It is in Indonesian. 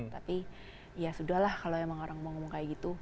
tapi ya sudah lah kalau emang orang mau ngomong kayak gitu